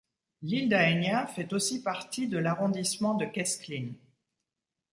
L'île d'Aegna, fait aussi partie de l'arrondissement de Kesklin.